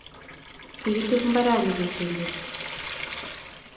Kikitup mbaranni kesemberi